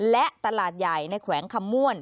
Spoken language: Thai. และตลาดใหญ่ในแขวงคำม่วน